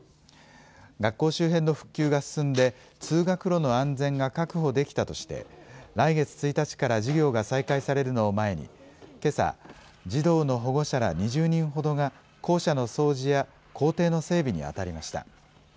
学校周辺の復旧が進んで通学路の安全が確保できたとして来月１日から授業が再開されるのを前にけさ児童の保護者ら２０人ほどが校舎の掃除や校庭の整備に当たりました。